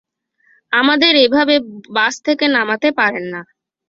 আমাদের এভাবে বাস থেকে নামাতে পারেন না।